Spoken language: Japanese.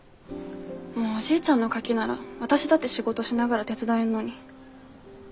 おじいちゃんのカキなら私だって仕事しながら手伝えんのに。